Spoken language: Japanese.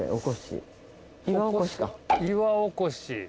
岩おこしか。